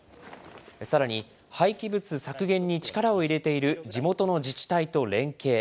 さらに、廃棄物削減に力を入れている地元の自治体と連携。